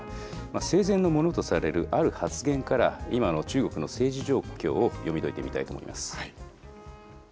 生前のものとされる、ある発言から、今の中国の政治状況を読み解いてみたいと思います。